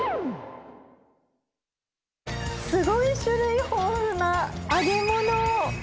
すごい種類豊富な揚げ物。